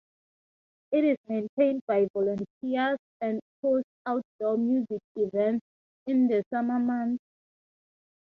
It is maintained by volunteers and hosts outdoor music events in the summer months.